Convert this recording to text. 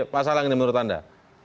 pak salang ini menurut anda